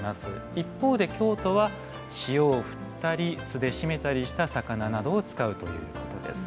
一方で京都は塩をふったり酢でしめたりした魚などを使うということです。